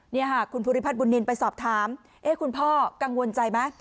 นี่ค่ะคุณภูริพัฒนบุญนินไปสอบถามคุณพ่อกังวลใจไหม